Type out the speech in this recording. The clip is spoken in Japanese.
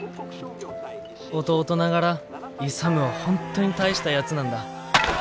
弟ながら勇は本当に大したやつなんだ。